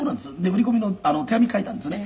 売り込みの手紙書いたんですね」